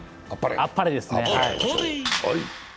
あっぱれですね。